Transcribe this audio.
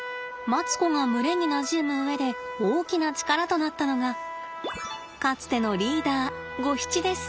マツコが群れになじむ上で大きな力となったのがかつてのリーダーゴヒチです。